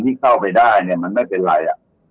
ที่เข้าไปได้เนี่ยมันไม่เป็นไร